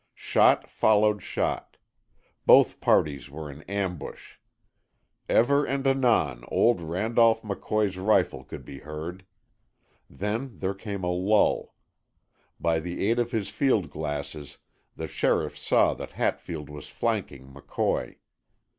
Shot followed shot. Both parties were in ambush. Ever and anon old Randolph McCoy's rifle could be heard. Then there came a lull. By the aid of his field glasses the sheriff saw that Hatfield was flanking McCoy.